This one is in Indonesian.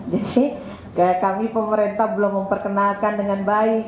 jadi kayak kami pemerintah belum memperkenalkan dengan baik